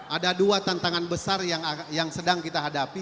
ada dua tantangan besar yang sedang kita hadapi